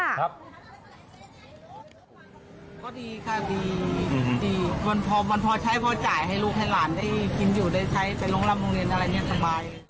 ที่พิมพ์อยู่ได้ใช้เป็นโรงลับโรงเรียนอะไรนี้สบาย